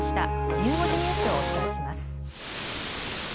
ゆう５時ニュースをお伝えします。